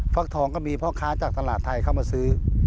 ฟักทองก็มีพ่อค้าจากตลาดไทยเข้ามาซื้อ